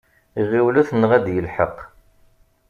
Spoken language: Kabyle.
Ɣiwlet neɣ ad aɣ-d-yelḥeq!